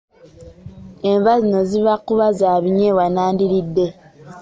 Enva zino zibakuba za binyeebwa n’andiridde.